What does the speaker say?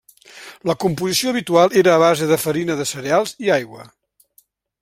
La composició habitual era a base de farina de cereals i aigua.